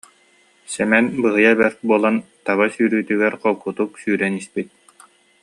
Сэмэн быһыйа бэрт буолан, таба сүүрүүтүгэр холкутук сүүрэн испит